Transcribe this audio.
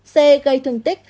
c gây thương tích